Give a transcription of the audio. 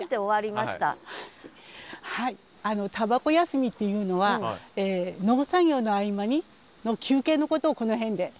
あの「たばこ休み」っていうのは農作業の合間の休憩のことをこの辺で。